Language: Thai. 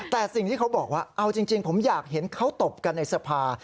แต่สิ่งที่เขาบอกว่าเอาจริงผมอยากเห็นเขาตบกันในสภา